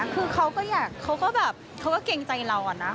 คือเขาก็อยากเขาก็แบบเขาก็เกรงใจเราอะนะ